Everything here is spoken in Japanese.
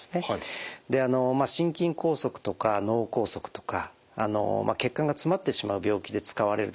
心筋梗塞とか脳梗塞とか血管が詰まってしまう病気で使われるですね